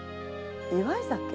祝い酒？